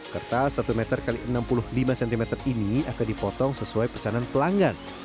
kertas satu meter x enam puluh lima cm ini akan dipotong sesuai pesanan pelanggan